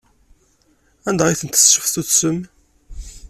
Anda ay tent-tesseftutsem?